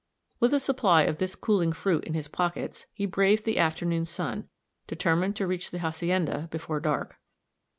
With a supply of this cooling fruit in his pockets, he braved the afternoon sun, determined to reach the hacienda before dark.